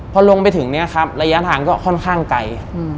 พอลงไปถึงเนี่ยครับระยะทางก็ค่อนข้างไกล